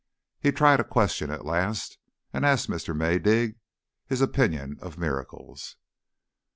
He tried a question at last, and asked Mr. Maydig his opinion of miracles.